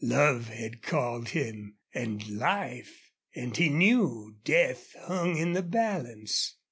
Love had called him and life and he knew death hung in the balance.